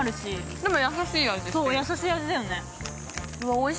でもやさしい味だよね。